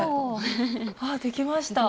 ああああできました。